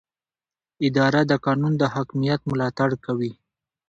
اداره د قانون د حاکمیت ملاتړ کوي.